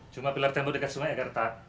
cuma pilar tembok dekat sumai ya gerta